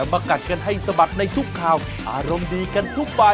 โปรดติดตามตอนต่อไป